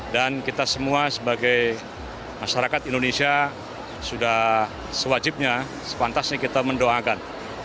dan kita semua sebagai masyarakat indonesia sudah sewajibnya sepantasnya kita mendoakan